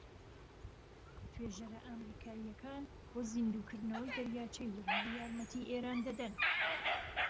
توێژەرە ئەمریكاییەكان بۆ زیندووكردنەوەی دەریاچەی ورمێ یارمەتی ئێران دەدەن